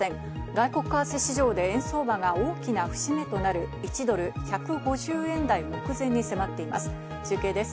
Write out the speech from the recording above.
外国為替市場で円相場が大きな節目となる１ドル＝１５０円台目前に迫っています。